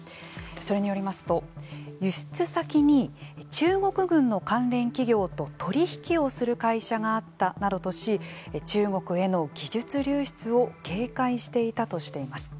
それによりますと、輸出先に中国軍の関連企業と取り引きをする会社があったなどとし中国への技術流出を警戒していたとしています。